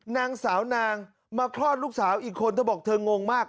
นางสาวนางมาคลอดลูกสาวอีกคนเธอบอกเธองงมาก